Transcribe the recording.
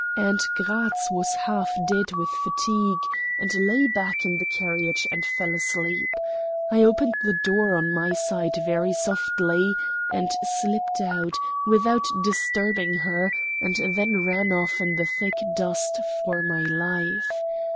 Aunt Gratz was half dead with fatigue, and lay back in the carriage and fell asleep. I opened the door on my side very softly and slipped out, without disturbing her, and then ran off in the thick dusk for my life.